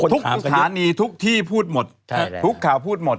ทุกสถานีทุกที่พูดหมดทุกข่าวพูดหมด